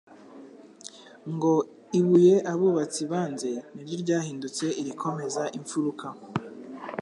ngo :« Ibuye abubatsi banze niryo ryahindutse irikomeza imfuruka.